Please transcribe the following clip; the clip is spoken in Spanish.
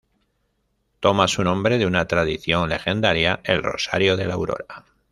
Toma su nombre de una tradición legendaria: "el Rosario de la Aurora".